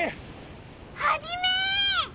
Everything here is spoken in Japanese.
ハジメ！